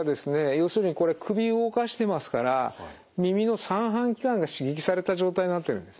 要するにこれ首を動かしてますから耳の三半規管が刺激された状態になってるんですね。